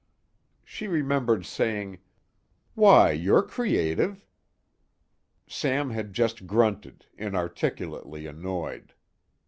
She remembered saying: "Why, you're creative." Sam had just grunted, inarticulately annoyed.